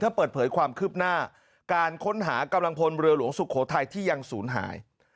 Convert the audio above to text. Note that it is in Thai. เปิดเผยความคืบหน้าการค้นหากำลังพลเรือหลวงสุโขทัยที่ยังศูนย์หาย